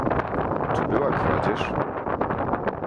"Czy była kradzież?"